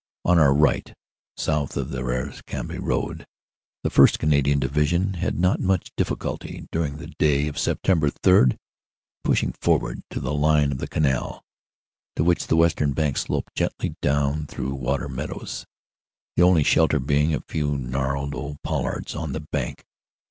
On our right, south of the Arras Cambrai Road, the 1st Canadian Division had not much difficulty during the day of Sept. 3 in pushing forward to the line of the canal, to which the western bank sloped gently down through water meadows, the only shelter being a few gnarled old pollards on the bank.